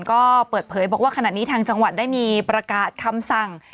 ก็เปิดเผยบอกว่าขณะนี้ทางจังหวัดได้มีประกาศคำสั่ง